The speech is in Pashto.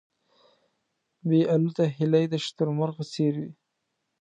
بې الوته هیلۍ د شتر مرغ په څېر وې.